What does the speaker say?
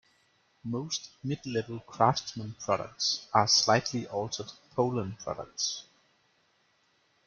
Most mid-level Craftsman products are slightly altered Poulan products.